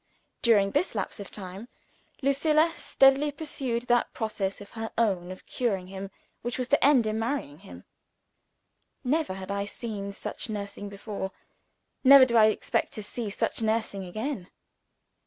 During this lapse of time, Lucilla steadily pursued that process of her own of curing him, which was to end in marrying him. Never had I seen such nursing before never do I expect to see such nursing again.